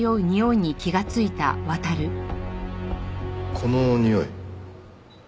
このにおい。